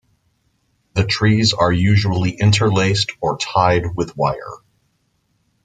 The trees are usually interlaced or tied with wire.